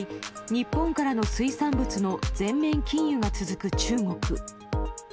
日本からの水産物の全面禁輸が続く中国。